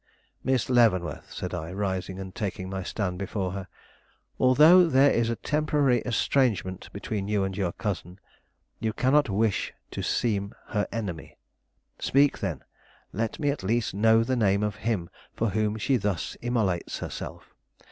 "Miss Leavenworth," said I, rising, and taking my stand before her; "although there is a temporary estrangement between you and your cousin, you cannot wish to seem her enemy. Speak, then; let me at least know the name of him for whom she thus immolates herself.